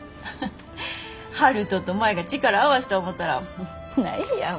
悠人と舞が力合わした思たら何やもううれしいわ。